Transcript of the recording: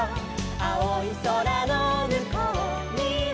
「あおいそらのむこうには」